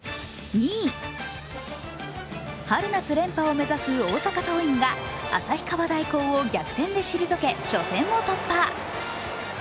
春夏連覇を目指す大阪桐蔭が旭川大高を逆転で退け初戦を突破。